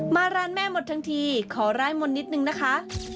มาร้านแม่หมดทั้งทีขอร่ายมนต์นิดนึงนะคะ